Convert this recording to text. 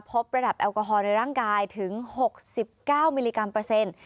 พบระดับแอลกอฮอลในร่างกายถึง๖๙มิลลิกรัมเปอร์เซ็นต์